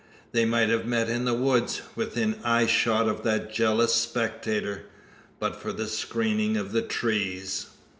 They might have met in the woods within eyeshot of that jealous spectator but for the screening of the trees.